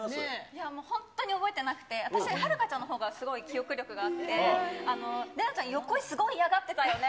いや、もう本当に覚えてなくて、私、ハルカちゃんのほうが記憶力があって、レナちゃん、横すごい嫌がってたよね。